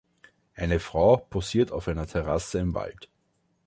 Eine Frau posiert auf einer Terrasse im Wald.